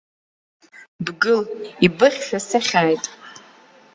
Бгыл, ибыхьша сыхьааит.